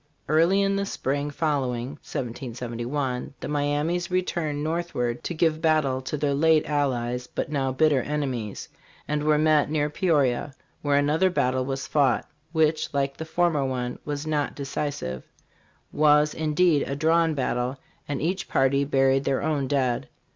Early in the spring following (1771), the Miamis returned north ward to give battle to their late allies, but now bitter enemies, and were met near Peoria, where another battle was fought, which, like the former one, was not decisive was, indeed, a drawn battle; and each party buried their own dead.